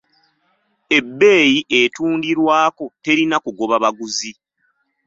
Ebbeeyi etundirwako terina kugoba baguzi.